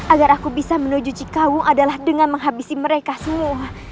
agar aku bisa menuju cikawung adalah dengan menghabisi mereka semua